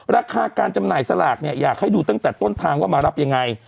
ราคาการจำหน่ายสลากเนี่ยอยากให้ดูตั้งแต่ต้นทางว่ามารับยังไง